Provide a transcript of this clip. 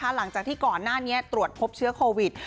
หลังจากที่ก่อนหน้านี้ตรวจพบเชื้อโควิด